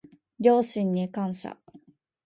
両親に感謝